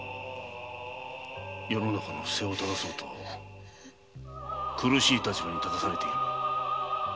世の中の不正を糺そうと苦しい立場に立たされている。